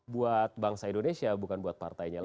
buat bangsa indonesia bukan buat partainya